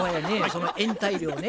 その延滞料ね